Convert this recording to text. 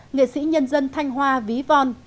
nghệ sĩ nhân dân thanh hoa ví von